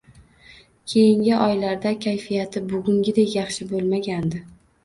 Keyingi oylarda kayfiyati bugungidek yaxshi bo‘lmagandi